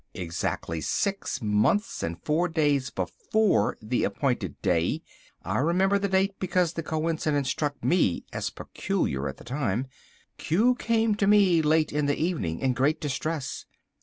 Exactly six months and four days before the appointed day (I remember the date because the coincidence struck me as peculiar at the time) Q came to me late in the evening in great distress.